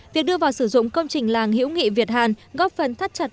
việc đưa vào sử dụng công trình làng hiễu nghị việt hàn góp phần thắt chặt